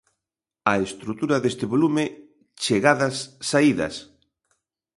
A estrutura deste volume: "Chegadas, saídas".